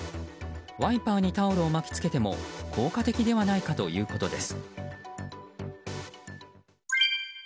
ワイパーにタオルを巻きつけても効果的ではないかということです。